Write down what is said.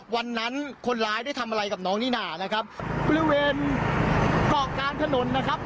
วันนั้นคนร้ายได้ทำอะไรกับน้องนิน่านะครับบริเวณเกาะกลางถนนนะครับ